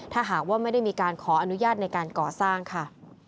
ถ้าหากว่าไม่ได้มีการขออนุญาตในการก่อสร้างค่ะ